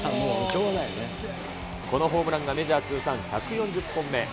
このホームランがメジャー通算１４０本目。